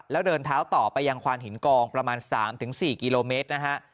แล้วเดินเท้าต่อไปยังควานหินกองประมาณ๓๔กิโลเมตรนะฮะ